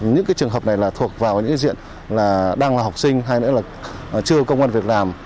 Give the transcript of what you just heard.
những trường hợp này thuộc vào những diện đang là học sinh hay là chưa công an việc làm